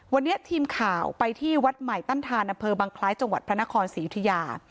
วันนี้ทีมข่าวไปที่วัดใหม่ตั้นทานอำเภอบังคล้ายจังหวัดพระนครศรียุธิยา